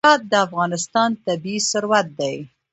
هرات د افغانستان طبعي ثروت دی.